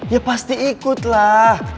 ya pasti ikut lah